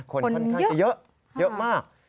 คนค่อนข้างจะเยอะเยอะมาก